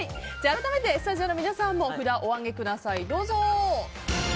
改めてスタジオの皆さんも札をお上げください。